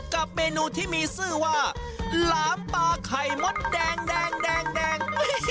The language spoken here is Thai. กับเมนูที่มีชื่อว่าหลามปลาไข่มดแดงแดง